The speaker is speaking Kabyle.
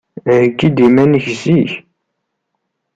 Heyyi-d iman-ik zik.